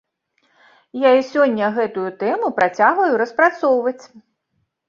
Я і сёння гэтую тэму працягваю распрацоўваць.